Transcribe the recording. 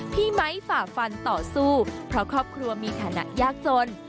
ไมค์ฝ่าฟันต่อสู้เพราะครอบครัวมีฐานะยากจน